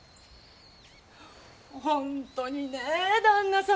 本当にね旦那様